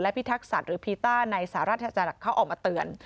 และพิทักษัตริย์หรือพีต้าในสหราชาติธรรมดาเขาออกมาเตือน